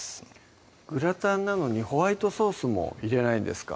グラタンなのにホワイトソースも入れないんですか？